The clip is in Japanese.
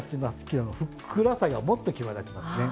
今日のふっくらさがもっと際立ちますね。